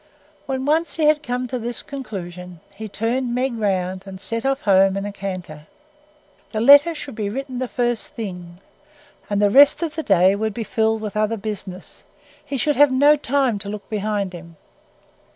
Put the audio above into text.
When once he had come to this conclusion, he turned Meg round and set off home again in a canter. The letter should be written the first thing, and the rest of the day would be filled up with other business: he should have no time to look behind him.